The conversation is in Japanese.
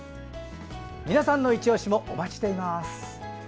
皆さんのいちオシもお待ちしています。